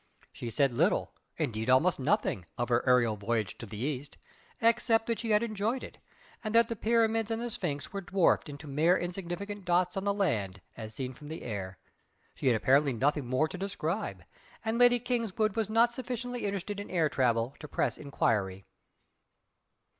She said little indeed almost nothing, of her aerial voyage to the East, except that she had enjoyed it, and that the Pyramids and the Sphinx were dwarfed into mere insignificant dots on the land as seen from the air, she had apparently nothing more to describe, and Lady Kingswood was not sufficiently interested in air travel to press enquiry.